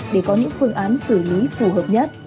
để có những phương án xử lý phù hợp nhất